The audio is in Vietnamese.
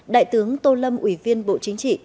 đại tướng tô lâm ủy viên bộ chính trị